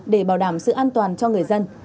để bảo đảm sự an toàn cho người dân